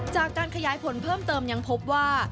จากการขยายผลเพิ่มเติมยังพบว่า